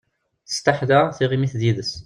Testaḥla tiɣimit d yid-s.